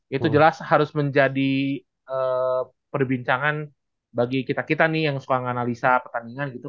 itu jelas harus menjadi perbincangan bagi kita kita nih yang suka menganalisa pertandingan gitu